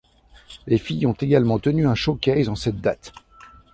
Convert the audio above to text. Les filles ont également tenu un showcase en cette date.